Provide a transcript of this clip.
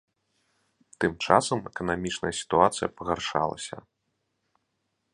Тым часам эканамічная сітуацыя пагаршалася.